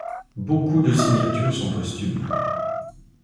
Beaucoup de signatures sont posthumes.